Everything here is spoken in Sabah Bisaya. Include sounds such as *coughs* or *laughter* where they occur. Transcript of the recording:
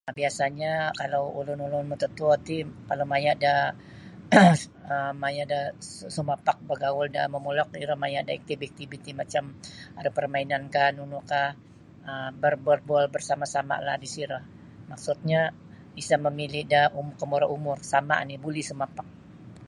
Biasanya kalau ulun-ulun matatuo ti kalau maya da *coughs* maya da sumapak bagaul da momulok iro maya da aktiviti-viti macam aru parmainan kah nunu kah um ber-berbual-bual bersama-sama lah di siro maksudnyo isa mamili da komburo umur sama oni buli sumapak.